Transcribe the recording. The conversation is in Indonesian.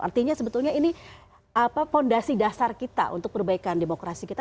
artinya sebetulnya ini fondasi dasar kita untuk perbaikan demokrasi kita